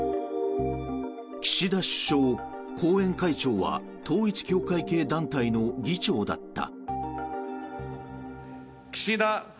岸田首相、後援会長は統一教会系団体の議長だった。